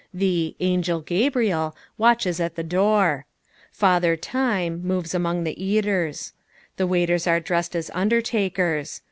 The "Angel Gabriel" watches at the door. "Father Time" moves among the eaters. The waiters are dressed as undertakers.